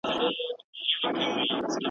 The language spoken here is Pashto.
په سیلیو کي آواز مي، چا به نه وي اورېدلی `